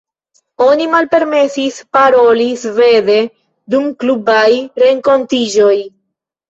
Oni malpermesis paroli svede dum klubaj renkontiĝoj.